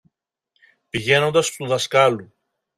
πηγαίνοντας στου δασκάλου